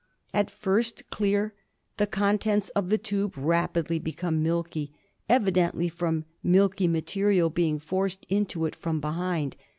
At first clear, the contents of the tube rapidly become milky, evidently from milky material being forced into it from behind.